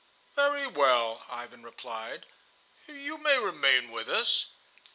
"Very well," Ivan replied; "you may remain with us."